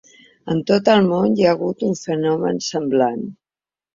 A tot el món hi ha hagut un fenomen semblant.